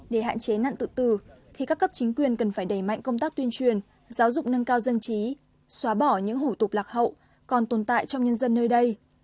để hạn chế nạn tự tử thì các cấp chính quyền cần phải đẩy mạnh công tác tuyên truyền giáo dục nâng cao dân trí xóa bỏ những hủ tục lạc hậu còn tồn tại trong nhân dân nơi đây